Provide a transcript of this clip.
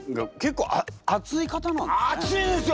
熱いですよ